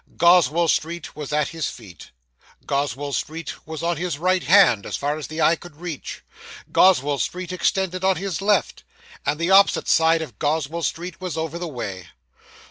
Goswell Street was at his feet, Goswell Street was on his right hand as far as the eye could reach, Goswell Street extended on his left; and the opposite side of Goswell Street was over the way.